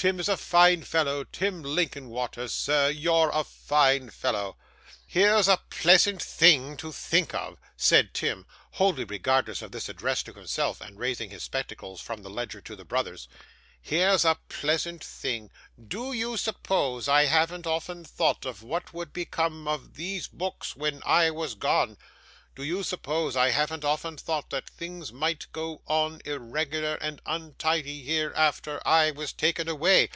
Tim is a fine fellow. Tim Linkinwater, sir you're a fine fellow.' 'Here's a pleasant thing to think of!' said Tim, wholly regardless of this address to himself, and raising his spectacles from the ledger to the brothers. 'Here's a pleasant thing. Do you suppose I haven't often thought of what would become of these books when I was gone? Do you suppose I haven't often thought that things might go on irregular and untidy here, after I was taken away?